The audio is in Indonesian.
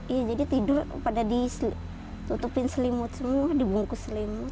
iya jadi tidur pada ditutupin selimut semua dibungkus selimut